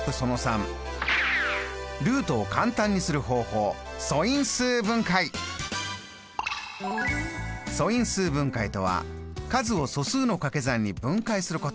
ルートを簡単にする方法素因数分解とは数を素数のかけ算に分解すること。